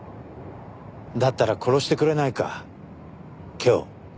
だったら殺してくれないか今日。